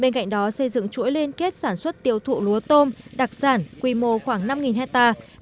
bên cạnh đó xây dựng chuỗi liên kết sản xuất tiêu thụ lúa tôm đặc sản quy mô khoảng năm hectare